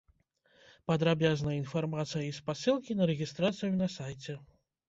Падрабязная інфармацыя і спасылкі на рэгістрацыю на сайце.